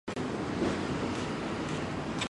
作品围绕小公务员贝兰吉的一场荒诞奇遇展开。